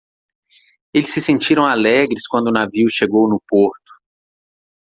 Eles se sentiram alegres quando o navio chegou no porto.